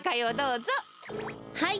はい。